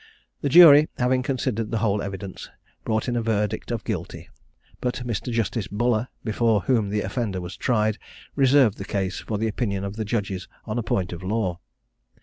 The jury, having considered the whole evidence, brought in a verdict of "Guilty;" but Mr. Justice Buller, before whom the offender was tried, reserved the case for the opinion of the judges on a point of law.